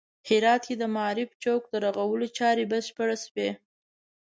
هرات کې د معارف چوک د رغولو چارې بشپړې شوې